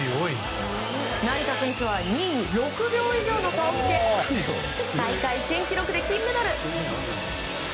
成田選手は２位に６秒以上の差をつけ大会新記録で金メダル。